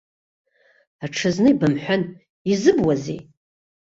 Аҽазны ибымҳәан, изыбуазеи!